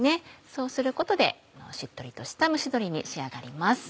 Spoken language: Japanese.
そうすることでしっとりとした蒸し鶏に仕上がります。